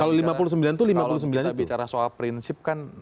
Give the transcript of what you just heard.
kalau kita bicara soal prinsip kan